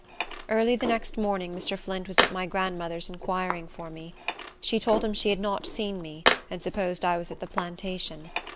Early the next morning Mr. Flint was at my grandmother's inquiring for me. She told him she had not seen me, and supposed I was at the plantation.